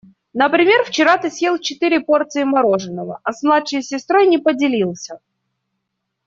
Например, вчера ты съел четыре порции мороженого, а с младшей сестрой не поделился.